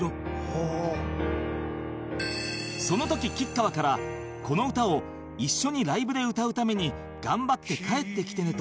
その時吉川から「この歌を一緒にライブで歌うために頑張って帰ってきてね」と激励されたという